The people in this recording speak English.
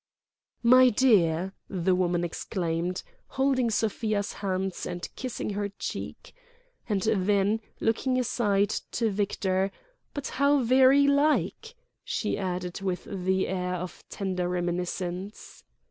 "My dear!" the woman exclaimed, holding Sofia's hands and kissing her cheek. And then, looking aside to Victor, "But how very like!" she added with the air of tender reminiscence.